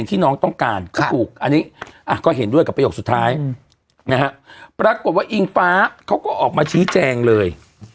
ไทยรัฐเขาก็ออกมาชี้แจงเลย